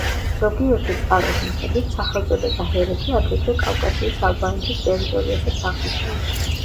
ზოგიერთი წყაროს მიხედვით სახელწოდება „ჰერეთი“ აგრეთვე კავკასიის ალბანეთის ტერიტორიასაც აღნიშნავს.